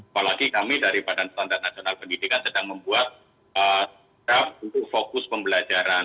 apalagi kami dari badan standar nasional pendidikan sedang membuat draf untuk fokus pembelajaran